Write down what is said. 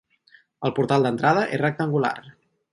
El portal d'entrada és rectangular.